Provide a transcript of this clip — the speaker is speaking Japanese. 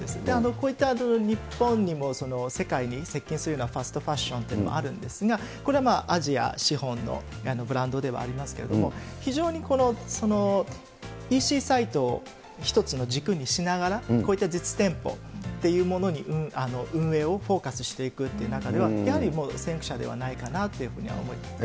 こういった日本にも世界に席けんするようなファストファッションというのがあるんですが、これはまあアジア資本のブランドではありますけれども、非常にＥＣサイトを一つの軸にしながら、こういった実店舗というものに運営をフォーカスしていくっていう中では、やはり先駆者ではないかなというふうに思いますね。